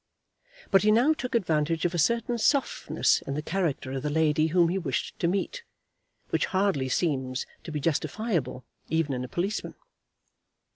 But he now took advantage of a certain softness in the character of the lady whom he wished to meet, which hardly seems to be justifiable even in a policeman.